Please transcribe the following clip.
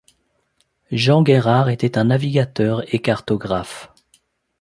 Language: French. Jean Guérard était un navigateur et cartographe.